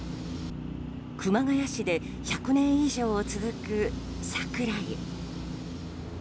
熊谷市で１００年以上続く桜湯。